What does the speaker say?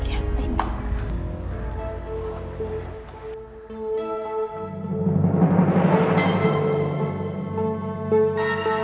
kamu lagi tuh